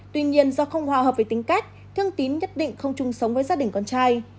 tuy nhiên do không hòa hợp với tính cách thương tín nhất định không chung sống với gia đình con trai